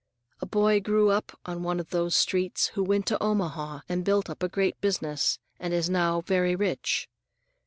A boy grew up on one of those streets who went to Omaha and built up a great business, and is now very rich.